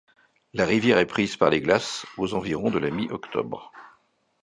La rivière est prise par les glaces aux environs de la mi-octobre.